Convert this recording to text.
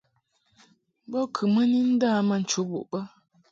Bo kɨ mɨ ni nda ma nchudab bə.